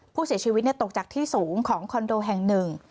ผู้เสียชีวิตตกจากที่สูงของคอนโดแห่งหนึ่ง